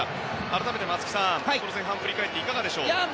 改めて松木さんこの前半を振り返っていかがでしょう？